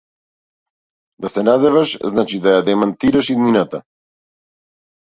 Да се надеваш значи да ја демантираш иднината.